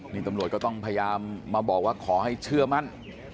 นี่ตำรวจก็ต้องพยายามมาบอกว่าขอให้เชื่อมั่น